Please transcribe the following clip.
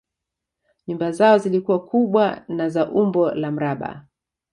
Nyumba zao zilikuwa kubwa na za umbo la mraba